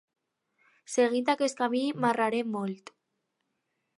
Seguint aquest camí marrarem molt.